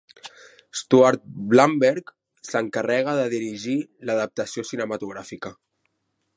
Stuart Blumberg s'encarrega de dirigir l'adaptació cinematogràfica.